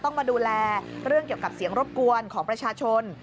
ต้องมาดูแลเรื่องเกี่ยวกับเสียงรบกวนของประชาชน